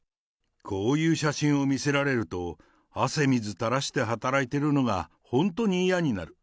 こういう写真を見せられると、汗水たらして働いているのが本当に嫌になる。